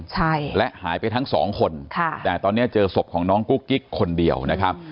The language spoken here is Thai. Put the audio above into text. ใช่และหายไปทั้งสองคนค่ะแต่ตอนนี้เจอศพของน้องกุ๊กกิ๊กคนเดียวนะครับ